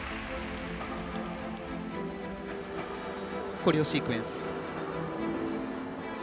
コレオシークエンス。